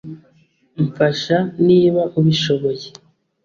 mfasha niba ubishoboye